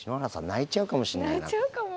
泣いちゃうかも？